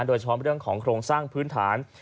โดยเฉพาะเรื่องของโครงสร้างพื้นฐาน